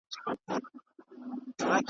وايی چي نه کار په هغه څه کار .